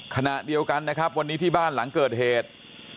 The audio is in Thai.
ขณะเดียวกันนะครับวันนี้ที่บ้านหลังเกิดเหตุ